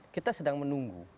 kita sedang menunggu